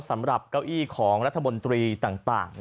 สำหรับเก้าอี้ของรัฐบนตรีต่าง